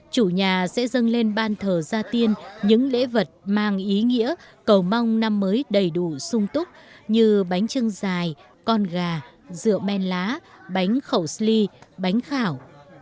chủ nhà sẽ dâng lên ban thờ gia tiên những lễ vật mang ý nghĩa cầu mong năm mới đầy đủ sung túc như bánh trưng dài con gà rượu men lá bánh khẩu sli bánh khảo